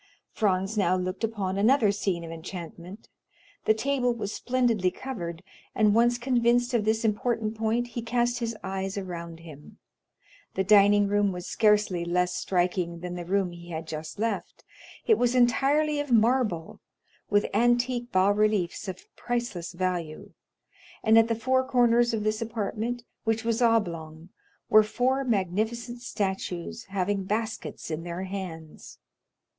Franz now looked upon another scene of enchantment; the table was splendidly covered, and once convinced of this important point he cast his eyes around him. The dining room was scarcely less striking than the room he had just left; it was entirely of marble, with antique bas reliefs of priceless value; and at the four corners of this apartment, which was oblong, were four magnificent statues, having baskets in their hands.